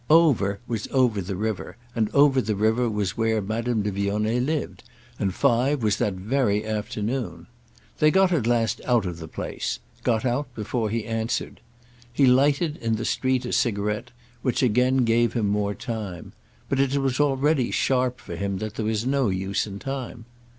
"Over" was over the river, and over the river was where Madame de Vionnet lived, and five was that very afternoon. They got at last out of the place—got out before he answered. He lighted, in the street, a cigarette, which again gave him more time. But it was already sharp for him that there was no use in time.